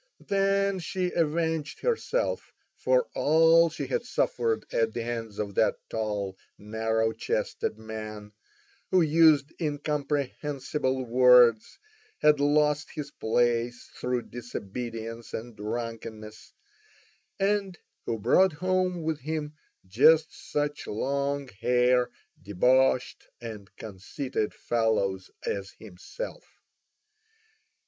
Then she avenged herself for all she had suffered at the hands of that tall narrow chested man, who used incomprehensible words, had lost his place through disobedience and drunkenness, and who brought home with him just such long haired, debauched and conceited fellows as himself.